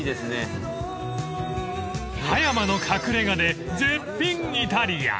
［葉山の隠れ家で絶品イタリアン］